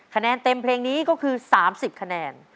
คะแนนเต็มเพลงนี้ก็คือ๓๐คะแนน